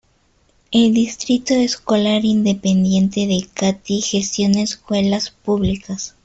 El Distrito Escolar Independiente de Katy gestiona escuelas públicas.